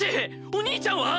お兄ちゃんは！？